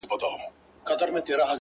هېره مي يې-